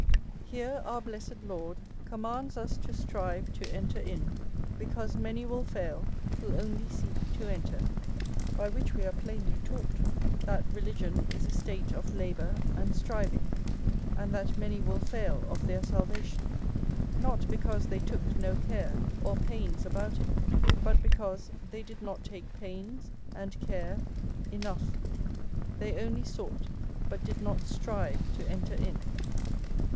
Here our blessed Lord commands iis to strive to en ' ter in^ because many will fail who only seek to enter. By which we are plainly taiiglit that religion is a state of labour and striving, and that many will fail of their salvation ; not because they took no care or pains about it, but because they did not take pains and care enough ; they only sought, but did not strive to enter in.